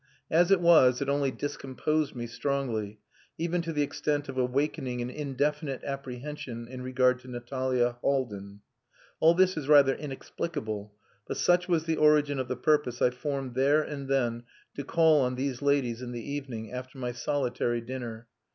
As it was, it only discomposed me strongly, even to the extent of awakening an indefinite apprehension in regard to Natalia Haldin. All this is rather inexplicable, but such was the origin of the purpose I formed there and then to call on these ladies in the evening, after my solitary dinner.